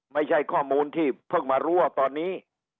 ไม่ใช่ข้อมูลที่เพิ่งมารู้ว่าตอนนี้